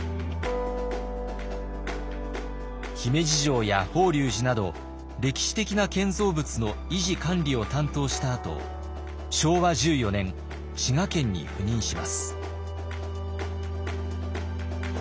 姫路城や法隆寺など歴史的な建造物の維持管理を担当したあと昭和１４年滋賀県に赴任します。